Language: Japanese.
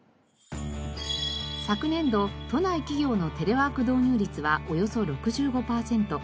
昨年度都内企業のテレワーク導入率はおよそ６５パーセント。